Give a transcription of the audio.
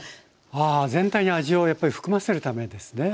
あ全体に味をやっぱり含ませるためですね。